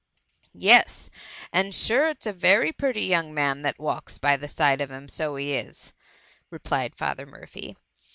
Yes. — And sure, it's a very purty young S76 THE MUMMY. man that walks by the side of him ; so he is/' replied Father Murphy.